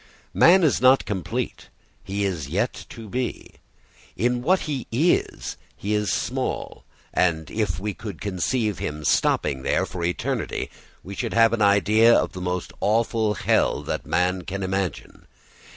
Man is not complete; he is yet to be. In what he is he is small, and if we could conceive him stopping there for eternity we should have an idea of the most awful hell that man can imagine.